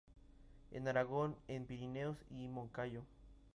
En Aragón, en Pirineos y Moncayo.